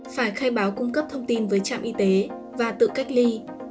phải khai báo cung cấp thông tin với trạm y tế và tự cách ly